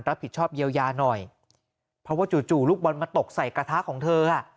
รับผิดชอบเยียวยาหน่อยเพราะว่าจู่จู่ลูกบอลมาตกใส่กระทะของเธอ